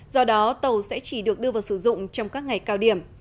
do đó tàu sẽ chỉ được đưa vào sử dụng trong các ngày cao điểm